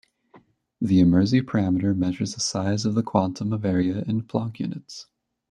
The Immirzi parameter measures the size of the quantum of area in Planck units.